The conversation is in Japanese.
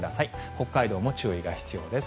北海道も注意が必要です。